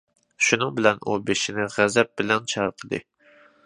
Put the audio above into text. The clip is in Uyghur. شۇنىڭ بىلەن ئۇ بېشىنى غەزەپ بىلەن چايقىدى.